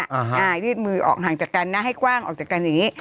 อ่ายืดมือออกห่างจากกันนะให้กว้างออกจากกันอย่างนี้